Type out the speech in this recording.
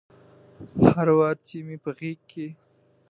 هر وار چې مې په غیږ کې